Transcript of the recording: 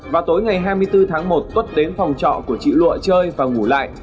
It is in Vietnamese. vào tối ngày hai mươi bốn tháng một tuất đến phòng trọ của chị lụa chơi và ngủ lại